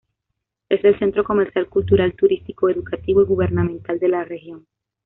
Es el centro comercial, cultural, turístico, educativo y gubernamental de la región.